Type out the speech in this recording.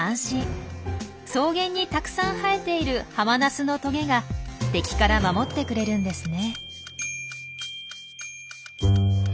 草原にたくさん生えているハマナスのトゲが敵から守ってくれるんですね。